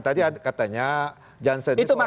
tadi katanya janssen itu orang politisi